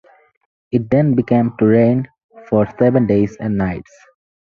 It then began to rain for seven days and nights.